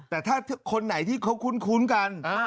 แต่ถ้าคนไหนที่เขาคุ้นกัน